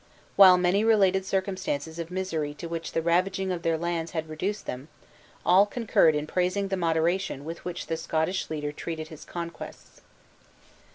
While many related circumstances of misery to which the ravaging of their lands had reduced them, all concurred in praising the moderation with which the Scottish leader treated his conquests.